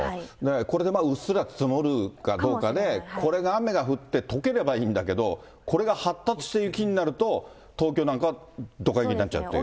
これでまあ、うっすら積もるかどうかで、これで雨が降ってとければいいんだけど、これが発達して雪になると、東京なんかはどか雪になっちゃうっていう。